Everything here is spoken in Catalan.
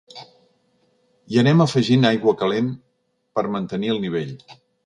Hi anem afegint aigua calent per mantenir el nivell.